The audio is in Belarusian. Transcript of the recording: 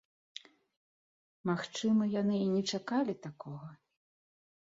Магчыма, яны і не чакалі такога.